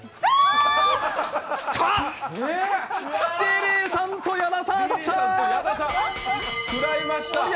リリーさんと矢田さんだ！